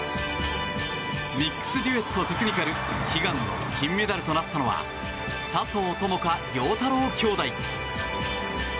ミックスデュエットテクニカル悲願の金メダルとなったのは佐藤友花・陽太郎姉弟。